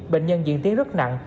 bệnh nhân diễn tiến rất nặng